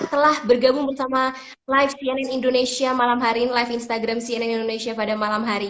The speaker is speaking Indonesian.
telah bergabung bersama live cnn indonesia malam hari ini live instagram cnn indonesia pada malam hari